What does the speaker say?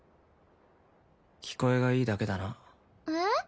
聞こえがいいだけだなえ